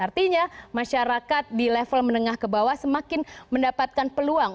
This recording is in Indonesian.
artinya masyarakat di level menengah ke bawah semakin mendapatkan peluang